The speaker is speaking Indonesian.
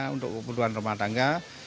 untuk kebutuhan rumah tangga